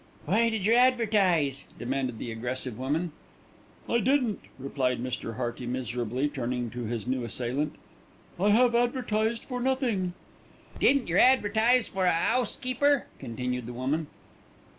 "Why did yer advertise?" demanded the aggressive woman. "I didn't," replied Mr. Hearty miserably, turning to his new assailant. "I have advertised for nothing." "Didn't yer advertise for a 'ousekeeper?" continued the woman.